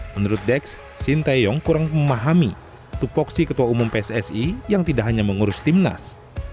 menurut dex shin taeyong kurang memahami tupoksi ketua umum pssi yang tidak hanya mengurus timnas